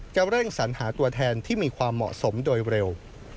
เร่งสัญหาตัวแทนที่มีความเหมาะสมโดยเร็ว